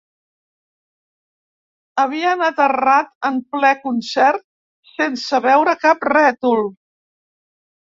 Havien aterrat en ple concert sense veure cap rètol.